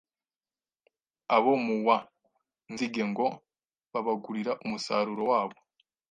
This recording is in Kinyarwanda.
abo mu wa Nzige ngo babagurira umusaruro wabo